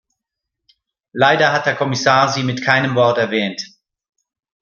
Leider hat der Kommissar sie mit keinem Wort erwähnt.